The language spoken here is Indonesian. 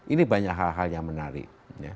ini banyak hal hal yang menarik